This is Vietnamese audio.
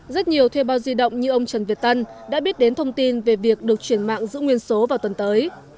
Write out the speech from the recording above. rất nhiều thuê bao di động như ông trần việt tân đã biết đến thông tin về việc được chuyển mạng giữ nguyên số vào tuần tới